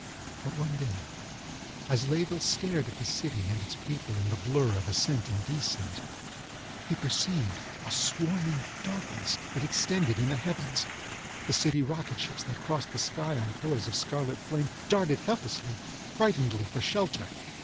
But one day as Layeville stared at the city and its people in the blur of ascent and descent, he perceived a swarming darkness that extended in the heavens. The city rocket ships that crossed the sky on pillars of scarlet flame darted helplessly, frightenedly for shelter.